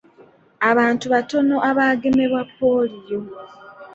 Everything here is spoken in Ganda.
Abantu batono abaagemebwa pooliyo.